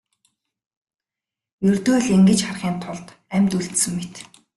Ердөө л ингэж харахын тулд амьд үлдсэн мэт.